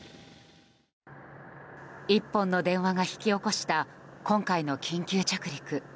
１本の電話が引き起こした今回の緊急着陸。